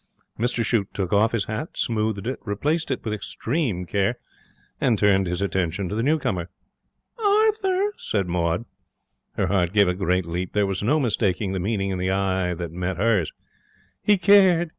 Mr Shute took off his hat, smoothed it, replaced it with extreme care, and turned his attention to the new comer. 'Arthur!' said Maud. Her heart gave a great leap. There was no mistaking the meaning in the eye that met hers. He cared!